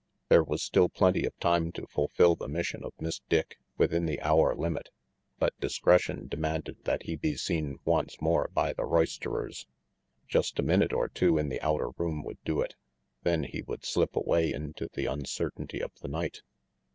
There was still plenty of time to fulfil the mission of Miss Dick within the hour limit; but discretion demanded that he be seen once more by the roisterers. Just a minute or two in the outer room would do it; then he would slip away into the uncertainty of the night.